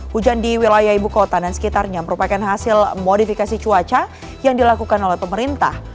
hujan di wilayah ibu kota dan sekitarnya merupakan hasil modifikasi cuaca yang dilakukan oleh pemerintah